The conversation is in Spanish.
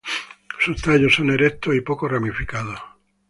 Sus tallos son erectos y poco ramificados.